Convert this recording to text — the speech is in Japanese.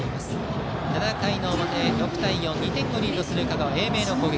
７回の表、６対４と２点リードする香川・英明の攻撃。